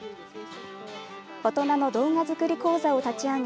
大人の動画作り講座を立ち上げ